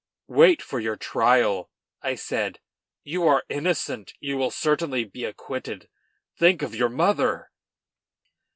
"Wait for your trial," I said. "You are innocent, you will certainly be acquitted; think of your mother."